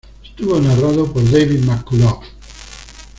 Estuvo narrado por David McCullough.